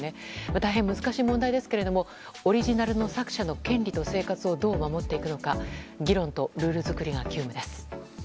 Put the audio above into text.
大変難しい問題ですけどオリジナルの作者の権利と生活をどう守っていくのか議論とルール作りが急務です。